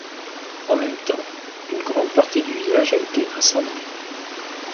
En même temps, une grande partie du village a été incendiée.